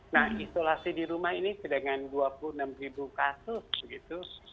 nah isolasi di rumah ini sedangkan dua puluh enam ribu kasus begitu